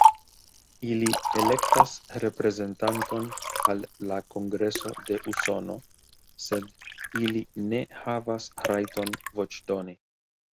Ili elektas reprezentanton al la Kongreso de Usono, sed ili ne havas rajton voĉdoni.